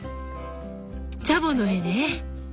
チャボの絵ね。